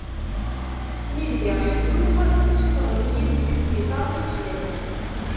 Mi bdiɣ ḥelluɣ, suffɣen-iyi-d seg sbiṭar n yimexlal.